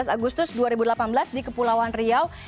tujuh belas agustus dua ribu delapan belas di kepulauan riau